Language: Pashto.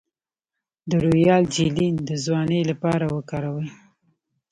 د رویال جیلی د ځوانۍ لپاره وکاروئ